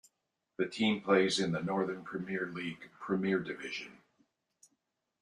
The team plays in the Northern Premier League Premier Division.